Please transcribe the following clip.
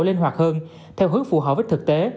linh hoạt hơn theo hướng phù hợp với thực tế